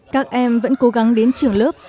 các em vẫn cố gắng đến trường lớp